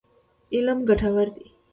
علم ګټور دی.